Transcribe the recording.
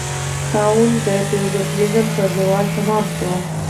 طاعون د فیوډالېزم په زوال تمام شو.